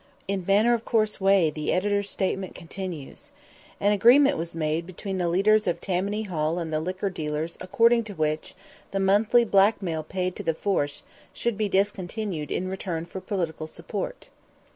In matter of course way the editor's statement continues: "An agreement was made between the leaders of Tammany Hall and the liquor dealers according to which the monthly blackmail paid to the force should be discontinued in return for political support."